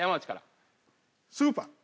スーパー。